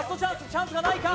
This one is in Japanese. チャンスがないか？